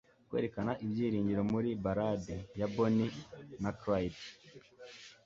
kwerekana ibyiringiro, muri ballad ya bonnie na clyde